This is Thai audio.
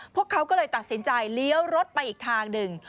พวกเขาก็เลยตัดสินใจเลี้ยวรถไปอีกทางหนึ่ง